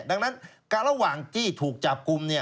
ดังนั้นระหว่างที่ถูกจับกลุ่ม